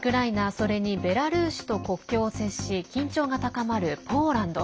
それにベラルーシと国境を接し緊張が高まるポーランド。